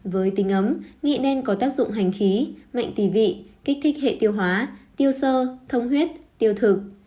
với tính ấm nghệ đen có tác dụng hành khí mệnh tì vị kích thích hệ tiêu hóa tiêu sơ thông huyết tiêu thực